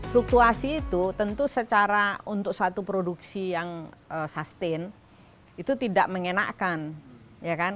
fluktuasi itu tentu secara untuk satu produksi yang sustain itu tidak mengenakan